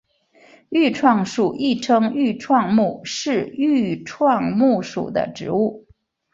愈创树亦称愈创木是愈创木属的植物。